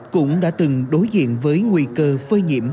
cũng đã từng đối diện với nguy cơ phơi nhiễm